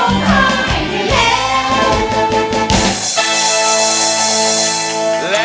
ร้องหายได้แล้ว